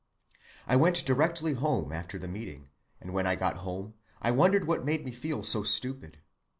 I went directly home after the meeting, and when I got home I wondered what made me feel so stupid.